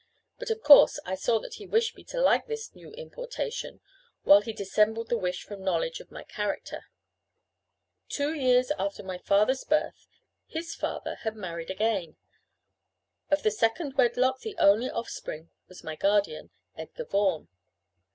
But of course I saw that he wished me to like his new importation, while he dissembled the wish from knowledge of my character. Two years after my father's birth, his father had married again. Of the second wedlock the only offspring was my guardian, Edgar Vaughan.